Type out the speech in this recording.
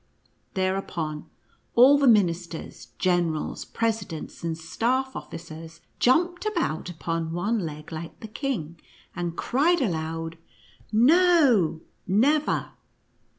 Thereupon all the ministers, generals, presidents and staff officers jumped about upon one leg like the king, and cried aloud, " No, never